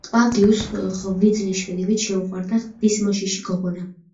კლავდიუსს ღვიძლი შვილივით შეუყვარდა ღვთისმოშიში გოგონა.